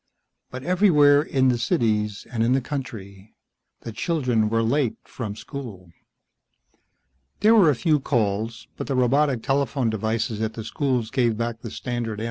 But everywhere, in the cities and in the country, the children were late from school. There were a few calls, but the robotic telephone devices at the schools gave back the standard answer: "The schools are closed for the day.